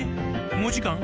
もうじかん？